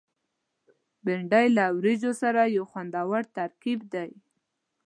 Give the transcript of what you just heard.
بېنډۍ له وریجو سره یو خوندور ترکیب دی